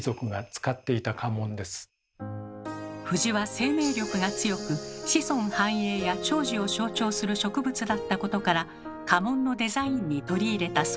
藤は生命力が強く子孫繁栄や長寿を象徴する植物だったことから家紋のデザインに取り入れたそうです。